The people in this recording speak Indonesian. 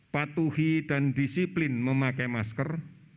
patuhi dan disiplin memakai masker